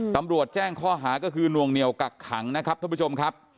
ตำรวจแจ้งข้อหาก็คือนวงเหนียวกักขังนะครับท่านผู้ชมครับ